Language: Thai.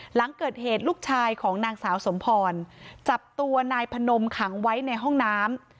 หลังเกิดเหตุลูกชายของนางสาวสมพรจับตัวนายพนมขังไว้ในห้องน้ำ